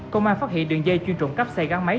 công an phát hiện đường dây chuyên trộm cắp xe gắn máy